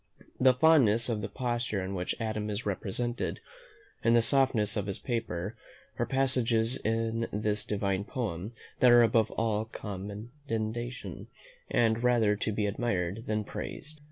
The fondness of the posture in which Adam is represented, and the softness of his whisper, are passages in this divine poem that are above all commendation, and rather to be admired than praised.